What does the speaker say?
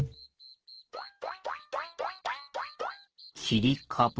きりかぶ？